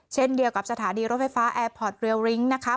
เช่นเดียวกับสถานีรถไฟฟ้าแอร์พอร์ตเรียลิ้งนะคะ